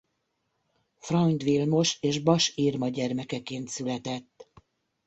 Freund Vilmos és Basch Irma gyermekeként született.